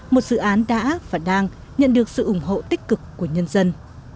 một dự án đã và đang nhận được sự ủng hộ tích cực của nhân dân